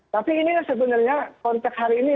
tapi ini sebenarnya konteks hari ini